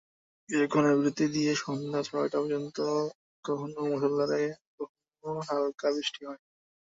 কিছুক্ষণের বিরতি দিয়ে সন্ধ্যা ছয়টা পর্যন্ত কখনো মুষলধারে, কখনো হালকা বৃষ্টি হয়।